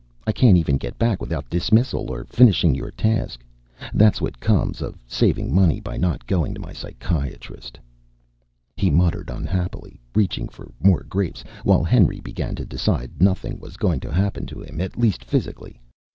I can't even get back without dismissal or finishing your task! That's what comes of saving money by not going to my psychiatrist." He muttered unhappily, reaching for more grapes, while Henry began to decide nothing was going to happen to him, at least physically.